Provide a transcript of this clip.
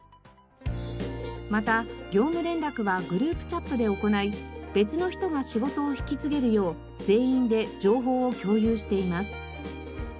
また業務連絡はグループチャットで行い別の人が仕事を引き継げるよう全員で情報を共有しています。